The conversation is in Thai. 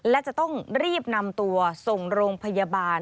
และจะต้องรีบนำตัวส่งโรงพยาบาล